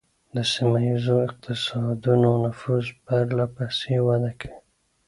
د سیمه ایزو اقتصادونو نفوذ پرله پسې وده کوي